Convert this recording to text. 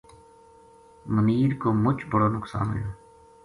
منیر کو مُچ بڑو نُقصان ہویو